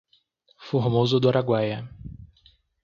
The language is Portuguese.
Formoso do Araguaia